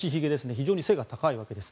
非常に背が高いわけです。